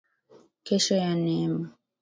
Kesho ya neema